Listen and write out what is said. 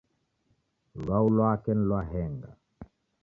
Lwau lwake ni lwa henga.